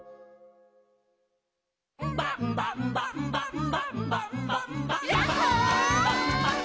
「ンバンバンバンバンバンバンバンバ」「ヤッホー」「」